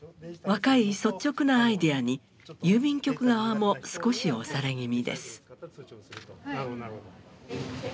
若い率直なアイデアに郵便局側も少し押され気味です。